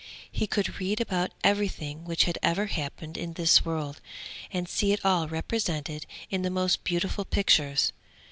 He could read about everything which had ever happened in this world, and see it all represented in the most beautiful pictures.